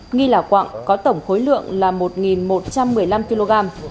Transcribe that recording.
nghi là quạng có tổng khối lượng là một một trăm một mươi năm kg